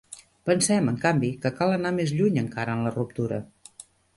Pensem, en canvi, que cal anar més lluny encara en la ruptura.